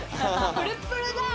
プルプルだ！